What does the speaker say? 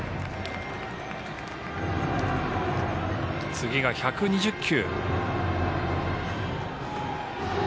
次が１２０球。